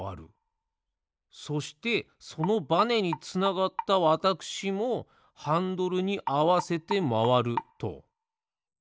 そしてそのバネにつながったわたくしもハンドルにあわせてまわると。